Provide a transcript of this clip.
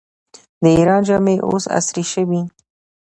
د ایران جامې اوس عصري شوي.